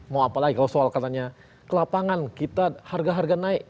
mau apa lagi kalau soal katanya kelapangan kita harga harga naik